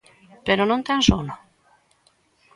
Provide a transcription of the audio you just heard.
Pero non ten sono.